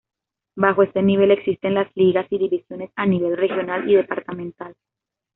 Bajo este nivel, existen las ligas y divisiones a nivel regional y departamental.